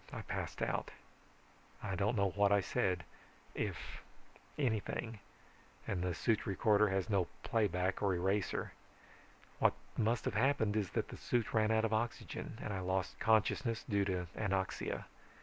I passed out. I don't know what I said, if anything, and the suit recorder has no playback or eraser. What must have happened is that the suit ran out of oxygen, and I lost consciousness due to anoxia.